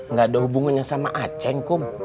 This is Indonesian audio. nggak ada hubungannya sama aceh kok